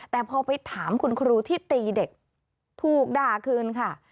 แต่พอไปถามคุณครูที่ตีเด็กถูกด่าคืนค่ะ